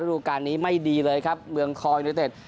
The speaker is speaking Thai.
ธุรการนี้ไม่ดีเลยเมืองคลอง